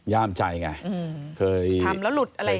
ย่ามใจไงค่ะเคยทำแล้วหลุดอะไรไง